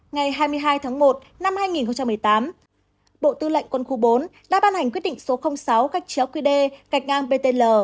ngày hai mươi hai tháng một năm hai nghìn một mươi tám bộ tư lệnh quân khu bốn đã ban hành quyết định số sáu qd btl